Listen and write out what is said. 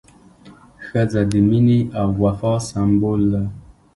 ښځه د مینې او وفا سمبول ده.